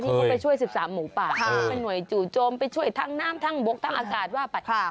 เขาไปช่วย๑๓หมูป่าเป็นหน่วยจู่โจมไปช่วยทั้งน้ำทั้งบกทั้งอากาศว่าไป